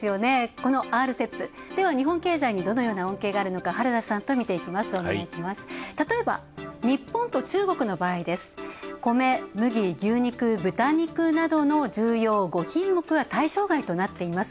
このＲＣＥＰ、日本経済にどのような恩恵があるのか原田さんと見ていきます。